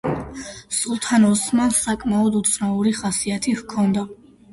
სულთან ოსმანს საკმაოდ უცნაური ხასიათი ჰქონდა.